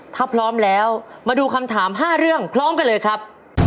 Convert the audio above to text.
ถ้าพร้อมแล้วมาดูคำถาม๕เรื่องพร้อมกันเลยครับ